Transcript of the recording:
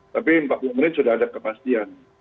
tapi empat puluh menit sudah ada kepastian